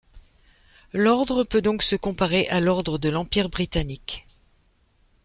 L’ordre peut donc se comparer à l'Ordre de l'Empire britannique.